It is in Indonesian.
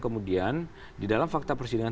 kemudian di dalam fakta persidangan